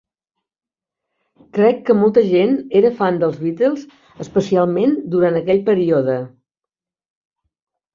Crec que molta gent era fan dels Beatles, especialment durant aquell període.